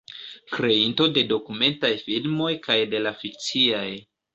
Kreinto de dokumentaj filmoj kaj de la fikciaj.